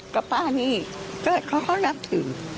ก็ป้านี่เขาก็รับถือ